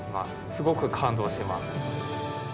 すごく感動しています。